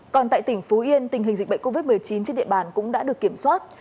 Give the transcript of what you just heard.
còn tại tỉnh phú yên tình hình dịch bệnh covid một mươi chín trên địa bàn cũng đã được kiểm soát